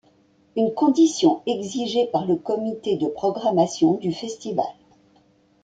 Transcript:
Une condition exigée par le comité de programmation du festival.